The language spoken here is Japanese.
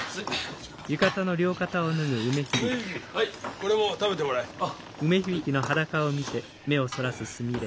これも食べてもらえ。